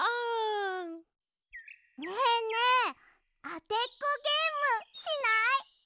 ねえねえあてっこゲームしない？